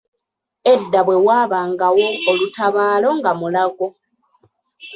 Edda bwe waabangawo olutabaalo nga Mulago.